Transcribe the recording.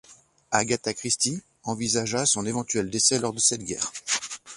Agatha Christie, envisagea son éventuel décès lors de cette guerre.